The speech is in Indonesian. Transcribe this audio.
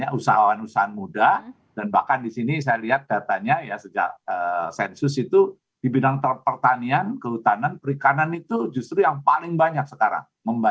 dan usahawan muda dan bahkan di sini saya lihat datanya ya sejak sensus itu di bidang pertanian kehutanan perikanan itu justru yang paling banyak sekarang